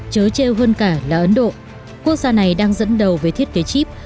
chớ trêu hơn cả là ấn độ quốc gia này đang dẫn đầu với thiết kế chip